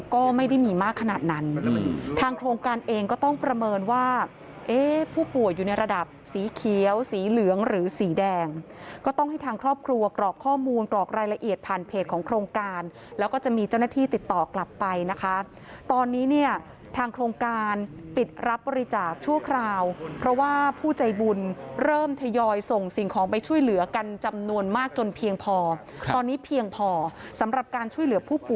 คุณลุงคุณลุงคุณลุงคุณลุงคุณลุงคุณลุงคุณลุงคุณลุงคุณลุงคุณลุงคุณลุงคุณลุงคุณลุงคุณลุงคุณลุงคุณลุงคุณลุงคุณลุงคุณลุงคุณลุงคุณลุงคุณลุงคุณลุงคุณลุงคุณลุงคุณลุงคุณลุงคุณลุงคุณลุงคุณลุงคุณลุงคุณล